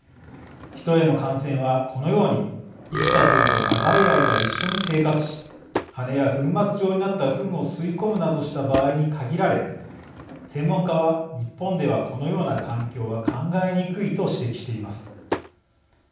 ヒトへの感染はこのように生きた鳥と長い間一緒に生活し、羽や粉末状になったふんを吸い込むなどした場合に限られ専門家は、日本ではこのような環境は考えにくいと指摘しています。